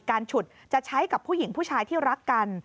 ฉุดจะใช้กับผู้หญิงผู้ชายที่รักกัน